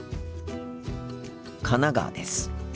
神奈川です。